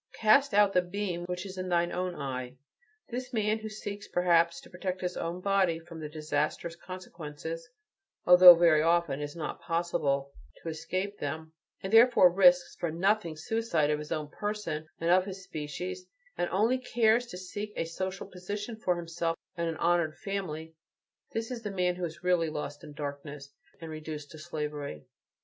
Cast out the beam which is in thine own eye." This man, who seeks, perhaps, to protect his own body from disastrous consequences, although very often it is not possible to escape them, and therefore risks, for nothing, suicide of his own person and of his species; and who only cares to seek a social position for himself and an honored family this is the man who is really lost in darkness, and reduced to slavery.